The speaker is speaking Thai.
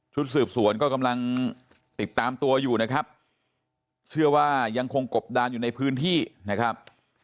สืบสวนก็กำลังติดตามตัวอยู่นะครับเชื่อว่ายังคงกบดานอยู่ในพื้นที่นะครับ